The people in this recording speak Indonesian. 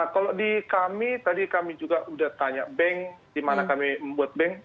kalau di kami tadi kami juga sudah tanya bank di mana kami membuat bank